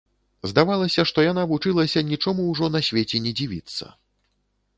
Здавалася, што яна вучылася нічому ўжо на свеце не дзівіцца.